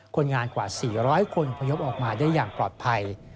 คนงานกว่า๔๐๐คนพยพออกมาได้อย่างปลอดภัย